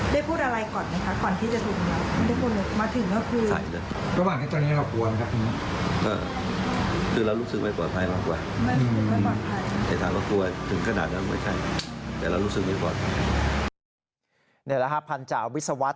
ได้พูดอะไรก่อนที่จะถูกนับ